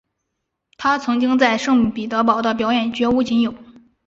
她曾经在圣彼得堡的表演绝无仅有。